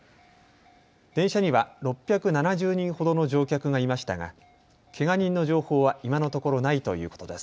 電車には６７０人ほどの乗客がいましたがけが人の情報は今のところないということです。